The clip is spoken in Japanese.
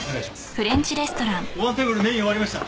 ５番テーブルメイン終わりました。